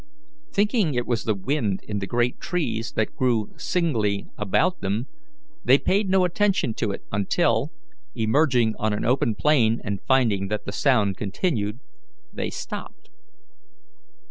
Thinking it was the wind in the great trees that grew singly around them, they paid no attention to it until, emerging on an open plain and finding that the sound continued, they stopped.